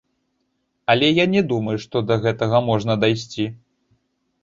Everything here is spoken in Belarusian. Але я не думаю, што да гэтага можа дайсці.